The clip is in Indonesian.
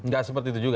nggak seperti itu juga